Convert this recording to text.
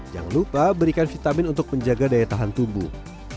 jangan lupa berikan vitamin untuk menjaga daya tahan tubuh